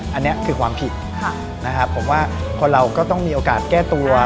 อันนี้คือความผิดนะครับผมว่าคนเราก็ต้องมีโอกาสแก้ตัว